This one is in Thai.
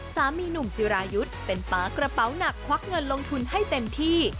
สามีหนุ่มจิรายุทธ์เป็นป๊ากระเป๋าหนักควักเงินลงทุนให้เต็มที่